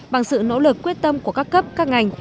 bằng sự nỗ lực quyết tâm của các cấp các ngành